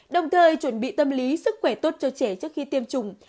đồng thời chuẩn bị tâm lý sức khỏe tốt cho trẻ trước khi tiêm chủng